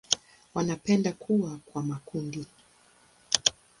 Wanapenda kuwa kwa makundi.